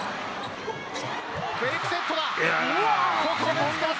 フェイクセットだ。